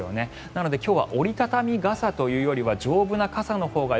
なので今日は折り畳み傘というよりは丈夫な傘のほうが。